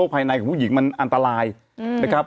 ภายในของผู้หญิงมันอันตรายนะครับ